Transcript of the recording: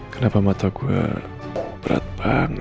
kenapa mata gue berat banget